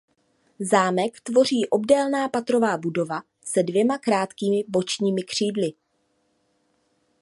Zámek tvoří obdélná patrová budova se dvěma krátkými bočními křídly.